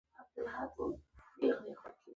احمد په واز کومې وير کوي.